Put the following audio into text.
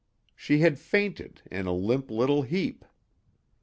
She had fainted in a limp little heap.